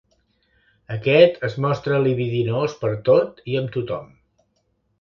Aquest es mostra libidinós pertot i amb tothom.